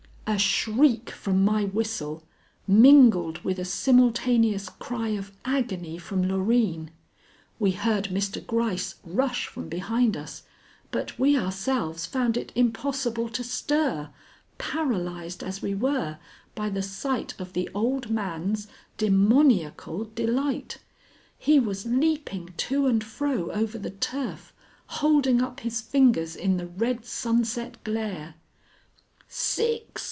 A shriek from my whistle mingled with a simultaneous cry of agony from Loreen. We heard Mr. Gryce rush from behind us, but we ourselves found it impossible to stir, paralyzed as we were by the sight of the old man's demoniacal delight. He was leaping to and fro over the turf, holding up his fingers in the red sunset glare. "Six!"